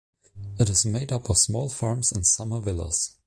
It is made up of small farms and summer villas.